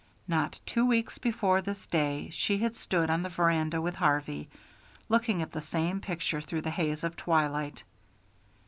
Not two weeks before this day she had stood on the veranda with Harvey, looking at the same picture through the haze of twilight.